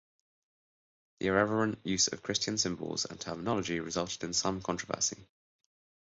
The irreverent use of Christian symbols and terminology resulted in some controversy.